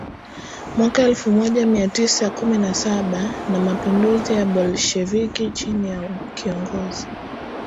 mwaka elfu moja mia tisa kumina saba na mapinduzi ya Bolsheviki chini ya kiongozi